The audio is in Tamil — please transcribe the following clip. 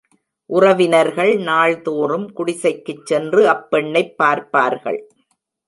உறவினர்கள் நாள் தோறும் குடிசைக்குச் சென்று அப்பெண்ணைப் பார்ப்பார்கள்.